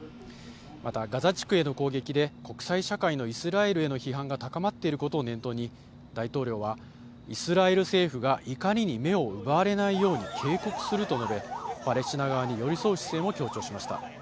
また、ガザ地区への攻撃で国際社会のイスラエルへの批判が高まっていることを念頭に、大統領は、イスラエル政府が怒りに目を奪われないように警告すると述べ、パレスチナ側に寄り添う姿勢も強調しました。